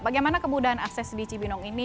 bagaimana kemudahan akses di cibinong ini